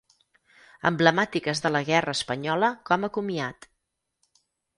Emblemàtiques de la guerra espanyola com a comiat.